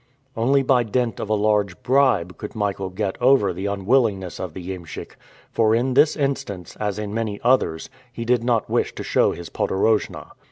Only by dint of a large bribe could Michael get over the unwillingness of the iemschik, for in this instance, as in many others, he did not wish to show his podorojna.